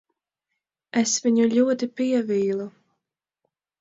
Es viņu ļoti pievīlu.